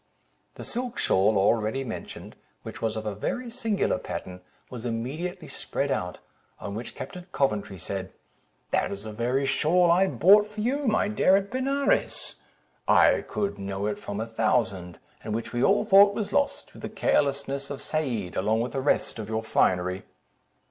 The silk shawl already mentioned, which was of a very singular pattern, was immediately spread out, on which Captain Coventry said—"That is the very shawl I bought for you, my dear, at Benares; I could know it from a thousand, and which we all thought was lost, through the carelessness of Said, along with the rest of your finery."